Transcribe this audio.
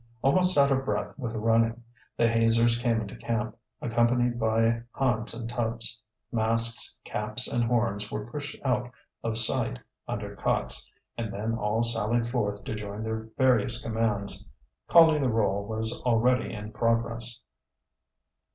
Almost out of breath with running, the hazers came into camp, accompanied by Hans and Tubbs. Masks, caps, and horns were pushed out of sight under cots, and then all sallied forth to join their various commands. Calling the roll was already in progress.